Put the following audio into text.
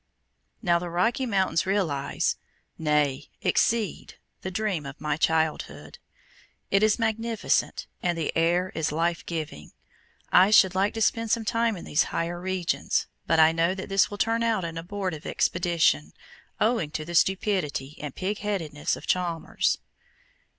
Now, the Rocky Mountains realize nay, exceed the dream of my childhood. It is magnificent, and the air is life giving. I should like to spend some time in these higher regions, but I know that this will turn out an abortive expedition, owing to the stupidity and pigheadedness of Chalmers.